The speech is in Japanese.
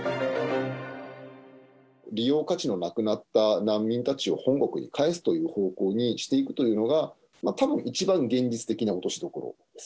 利用価値のなくなった難民たちを本国に返すという方向にしていくというのが、多分一番現実的な落としどころです。